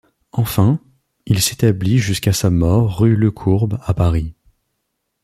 Enfin, il s’établit jusqu’à sa mort rue Lecourbe à Paris.